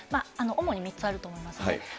主に３つあると思いますね。